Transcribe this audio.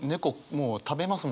もう食べますもん。